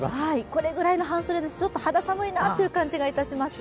これぐらいの半袖だとちょっと肌寒いなという感じがいたします。